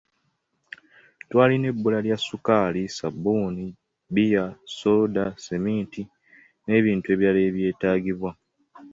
Twalina ebbula lya ssukaali, ssabbuuni, bbiya, sooda, sseminti n'ebintu ebirala ebyetaagibwa.